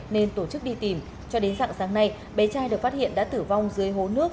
nên tổ chức đi tìm cho đến dạng sáng nay bé trai được phát hiện đã tử vong dưới hố nước